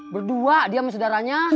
berdua dia sama saudaranya